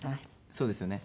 そうですよね。